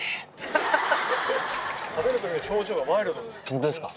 ホントですか？